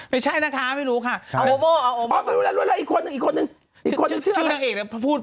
ไม่ใช่เอสกราบบ่เอสกราบบ่ไม่ได้เพื่อช่องเจด